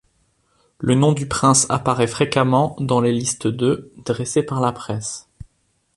Le nom du prince apparaît fréquemment dans les listes de dressées par la presse.